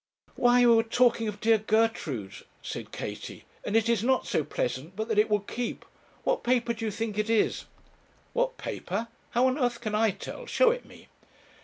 'Why, we were talking of dear Gertrude,' said Katie; 'and it is not so pleasant but that it will keep. What paper do you think it is?' 'What paper? how on earth can I tell? show it me.'